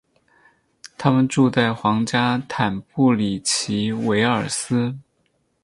他们住在皇家坦布里奇韦尔斯。